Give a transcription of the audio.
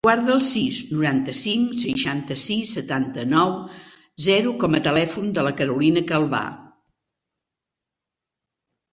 Guarda el sis, noranta-cinc, seixanta-sis, setanta-nou, zero com a telèfon de la Carolina Calva.